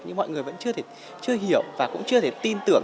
nhưng mọi người vẫn chưa hiểu và cũng chưa thể tin tưởng